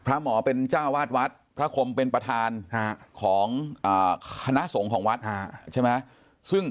พระหมอเป็นจ้าวาดวัดพระคมเป็นประธานของคณะสงฆ์ของวัดใช่ไหม